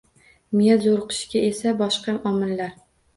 Miya zo‘riqishiga esa boshqa omillar